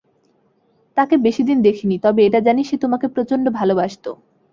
তাকে বেশিদিন দেখিনি, তবে এটা জানি সে তোমাকে প্রচন্ড ভালোবাসতো।